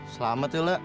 selamat deh la